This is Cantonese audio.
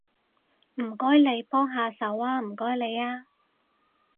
唔該你幫下手吖，唔該你吖